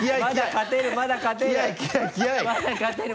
まだ勝てる。